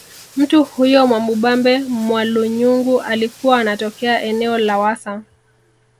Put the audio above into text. Mtu huyo Mwamubambe Mwalunyungu alikuwa anatokea eneo la Wassa